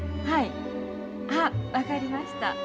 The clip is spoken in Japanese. はあ分かりました。